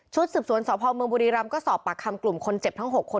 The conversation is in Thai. ชุดสืบสวนสผบบรมก็สอบปากคำกลุ่มคนเจ็บทั้งหกคน